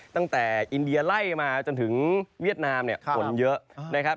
ตั้งแต่อินเดียไล่มาจนถึงเวียดนามเนี่ยฝนเยอะนะครับ